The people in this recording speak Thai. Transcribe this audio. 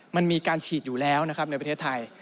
มันมีการฉีดอยู่แล้วนะครับในประเทศไทย